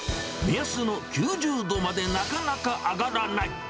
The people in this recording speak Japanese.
目安の９０度までなかなか上がらない。